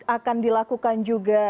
akan dilakukan juga